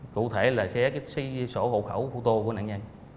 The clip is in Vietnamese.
cụ thể là xé cái sổ hộ khẩu phụ tô của nạn nhân